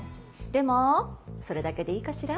でもそれだけでいいかしら？